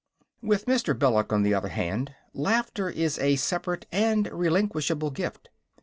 With Mr. Belloc, on the other hand, laughter is a separate and relinquishable gift.